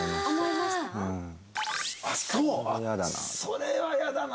それは嫌だな。